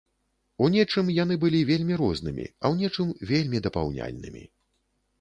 У нечым яны былі вельмі рознымі, а ў нечым вельмі дапаўняльнымі.